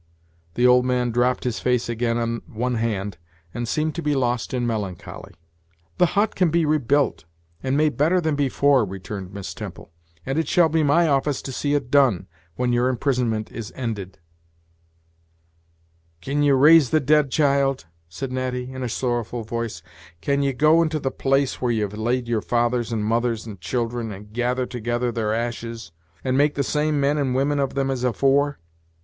The old man dropped his face again on one hand, and seemed to be lost in melancholy. "The hut can be rebuilt, and made better than before," returned Miss Temple; "and it shall be my office to see it done, when your imprisonment is ended." "Can ye raise the dead, child?" said Natty, in a sorrowful voice: "can ye go into the place where you've laid your fathers, and mothers, and children, and gather together their ashes, and make the same men and women of them as afore?